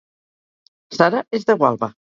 Sara és de Gualba